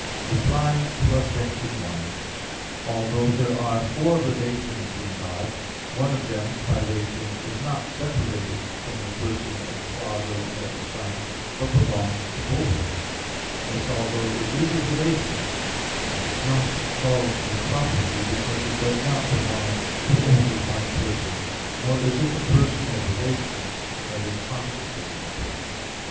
Reply Obj. 1: Although there are four relations in God, one of them, spiration, is not separated from the person of the Father and of the Son, but belongs to both; thus, although it is a relation, it is not called a property, because it does not belong to only one person; nor is it a personal relation i.e. constituting a person.